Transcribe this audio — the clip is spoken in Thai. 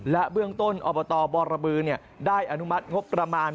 และเบื้องต้นอบตบรบือได้อนุมัติงบประมาณ